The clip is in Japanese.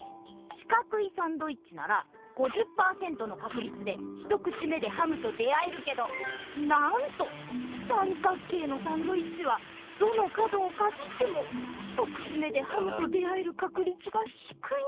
しかくいサンドイッチなら５０％のかくりつで一口目でハムと出会えるけどなんとさんかく形のサンドイッチはどの角をかじっても一口目でハムと出会えるかくりつがひくいんだ。